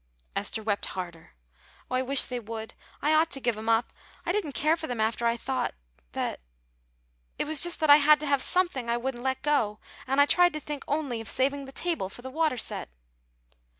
Esther wept harder. "Oh, I wish they would; I ought to give 'em up. I didn't care for them after I thought that. It was just that I had to have something I wouldn't let go, and I tried to think only of saving the table for the water set."